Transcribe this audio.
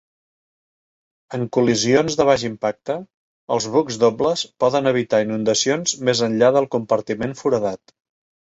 En col·lisions de baix impacte, els bucs dobles poden evitar inundacions més enllà del compartiment foradat.